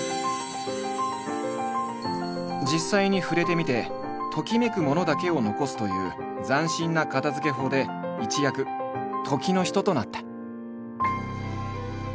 実際に触れてみて「ときめく物」だけを残すという斬新な片づけ法で一躍時の人となった。